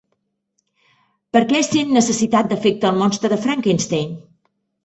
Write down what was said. Per què sent necessitat d'afecte el monstre de Frankenstein?